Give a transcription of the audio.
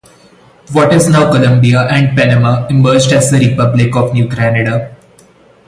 What is now Colombia and Panama emerged as the Republic of New Granada.